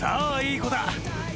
いい子だ